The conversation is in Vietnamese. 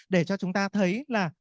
để cho chúng ta thấy là